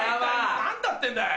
何だってんだい？